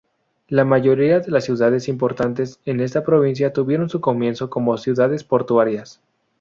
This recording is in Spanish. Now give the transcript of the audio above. La mayoría de ciudades importantes en esta provincia tuvieron su comienzo como ciudades portuarias.